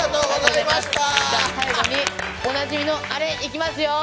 じゃ、最後におなじみのあれ、いきますよ。